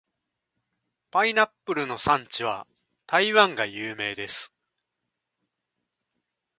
パイナップルの産地は台湾が有名です。